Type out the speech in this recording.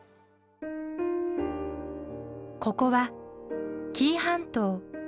ここは紀伊半島。